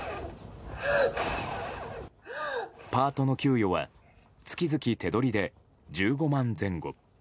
パートの給与は月々手取りで１５万円前後。